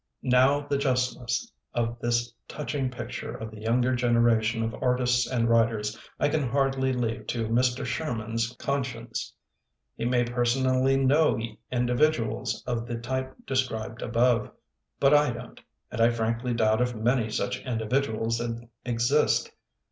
Now the justness of this touching picture of the younger generation of artists and writers, I can hardly leave to Mr. Sherman's conscience. He may personally know individuals of the type described above, but I don't, and I frankly doubt if many such individu als exist.